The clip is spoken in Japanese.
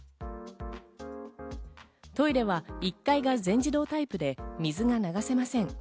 トイレは１階が全自動タイプで水が流せません。